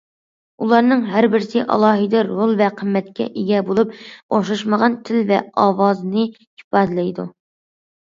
ئۇلارنىڭ ھەر بىرسى ئالاھىدە رول ۋە قىممەتكە ئىگە بولۇپ، ئوخشاشمىغان تىل ۋە ئاۋازنى ئىپادىلەيدۇ.